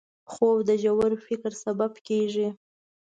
خوب د ژور فکر سبب کېږي